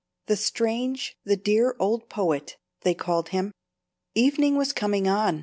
"The strange, the dear old poet," they called him. Evening was coming on.